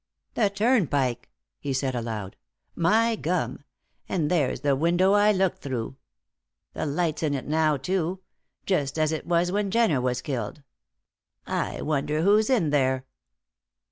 "The Turnpike," he said aloud. "My gum! And there's the window I looked through; the light's in it now, too just as it was when Jenner was killed. I wonder who's in there!"